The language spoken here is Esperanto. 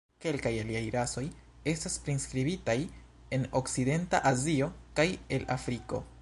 Kelkaj aliaj rasoj estas priskribitaj en Okcidenta Azio kaj el Afriko.